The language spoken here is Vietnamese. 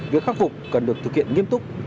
việc khắc phục cần được thực hiện nghiêm túc